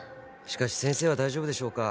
しかし先生は大丈夫でしょうか？